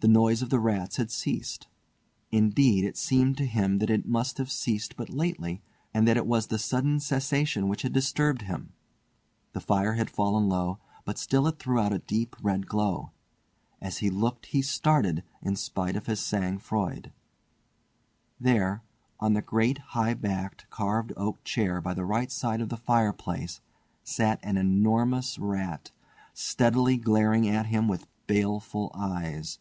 The noise of the rats had ceased. Indeed it seemed to him that it must have ceased but lately and that it was the sudden cessation which had disturbed him. The fire had fallen low, but still it threw out a deep red glow. As he looked he started in spite of his sang froid. There on the great high backed carved oak chair by the right side of the fireplace sat an enormous rat, steadily glaring at him with baleful eyes.